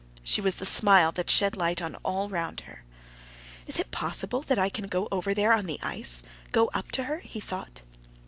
She was the smile that shed light on all round her. "Is it possible I can go over there on the ice, go up to her?" he thought.